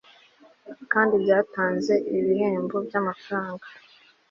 kandi byatanze ibihembo by'amafaranga